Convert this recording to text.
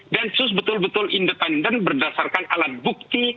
densus betul betul independen berdasarkan alat bukti